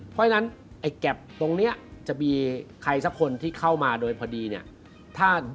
ถ้าใครซักคนที่เข้ามาโดยพอดีเนี่ย